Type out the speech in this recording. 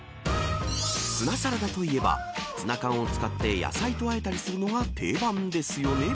ツナサラダといえばツナ缶を使って野菜とあえたりするのが定番ですよね。